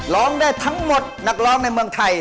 ร้องได้ทั้งหมดนักร้องในเมืองไทย